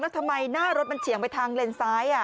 แล้วทำไมหน้ารถมันเฉียงไปทางเลนซ้าย